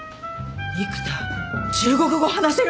育田中国語話せるの？